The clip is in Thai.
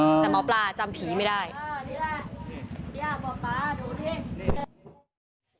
อือแต่หมอปลาจำผีไม่ได้นี่แหละเนี่ยหมอปลาดูนี่